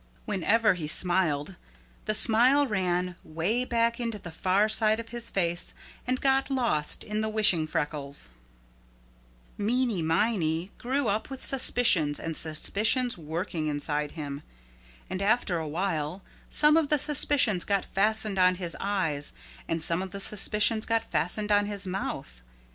Whenever he smiled the smile ran way back into the far side of his face and got lost in the wishing freckles. Meeny Miney grew up with suspicions and suspicions working inside him. And after a while some of the suspicions got fastened on his eyes and some of the suspicions got fastened on his mouth.